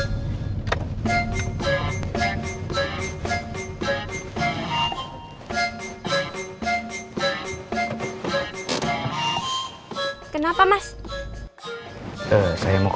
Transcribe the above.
aku mau mau additionalord yangins